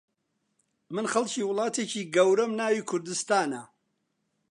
من خەڵکی وڵاتێکی گەورەم ناوی کوردستانە